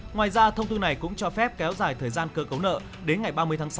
ngoài ra thông tư này cũng cho phép kéo dài thời gian cơ cấu nợ đến ngày ba mươi sáu hai nghìn hai mươi hai